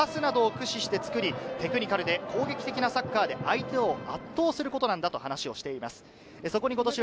ゴールまでの最短の道筋をパスなどを駆使して作り、テクニカルで攻撃的なサッカーで相手を圧倒することなんだと話をしてます。